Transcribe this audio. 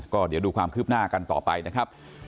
ก็เดี๋ยวดูความคืบหน้ากันต่อไปนะครับ